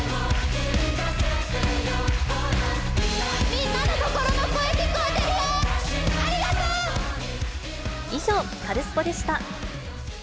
みんなの心の声、聞こえてる以上、カルスポっ！でした。